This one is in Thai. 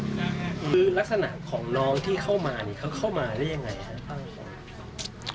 คือลักษณะของน้องที่เข้ามานี่เขาเข้ามาได้ยังไงครับ